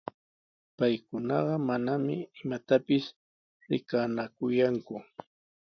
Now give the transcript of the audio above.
Paykunaqa manami imaypis rikanakuyanku,